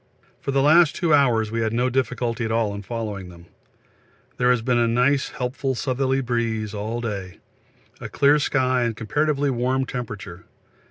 For the last two hours we had no difficulty at all in following them. There has been a nice helpful southerly breeze all day, a clear sky and comparatively warm temperature.